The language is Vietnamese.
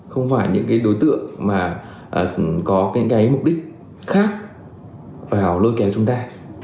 không phải những đối tượng có mục đích khác vào lôi kéo chúng ta